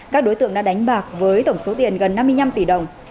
các đối tượng đã đánh bạc với tổng số tiền gần năm mươi năm tỷ đồng